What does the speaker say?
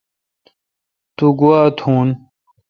تو گوا تون؟